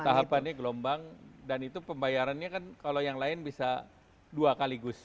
tahapannya gelombang dan itu pembayarannya kan kalau yang lain bisa dua kaligus